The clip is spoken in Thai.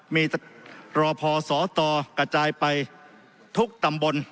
มีรอพอสตกระจายไปทุกตำบล